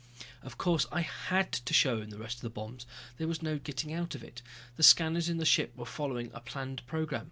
Of course I had to show him the rest of the bombs, there was no getting out of it. The scanners in the ship were following a planned program.